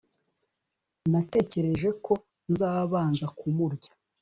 natekereje ko nzabanza kumurya